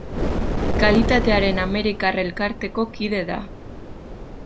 Kalitatearen Amerikar Elkarteko kide da.